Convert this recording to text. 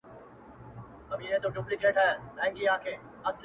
چيلمه ويل وران ښه دی، برابر نه دی په کار.